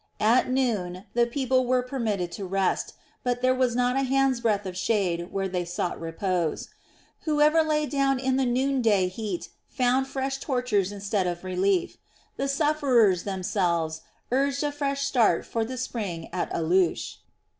At noon the people were permitted to rest, but there was not a hand's breadth of shade where they sought repose. Whoever lay down in the noonday heat found fresh tortures instead of relief. The sufferers themselves urged a fresh start for the spring at Alush.